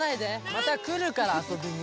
またくるからあそびに。